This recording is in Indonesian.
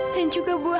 dan juga buah